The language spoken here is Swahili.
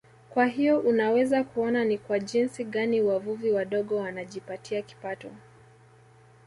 Kwa hiyo unaweza kuona ni kwa jinsi gani wavuvi wadogo wanajipatia kipato